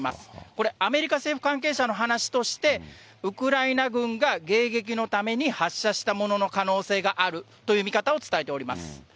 これ、アメリカ政府関係者の話として、ウクライナ軍が迎撃のために発射したものの可能性があるという見方を伝えております。